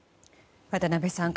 渡辺さん